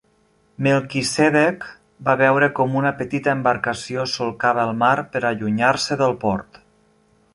Melquisedec va veure com una petita embarcació solcava el mar per allunyar-se del port.